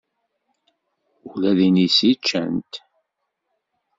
Ula d inisi ččan-t.